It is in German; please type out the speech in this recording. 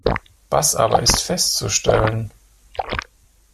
Was aber ist festzustellen?